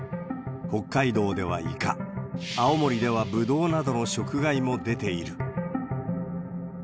北海道ではイカ、青森ではブドウなどの食害も出ている。